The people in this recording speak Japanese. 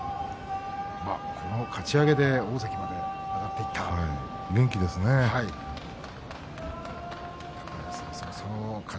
このかち上げで大関まで上がっていったんですからね。